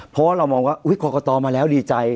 เพราะว่าเรามองว่าอุ๊ยครอบครัวตอมาแล้วดีใจ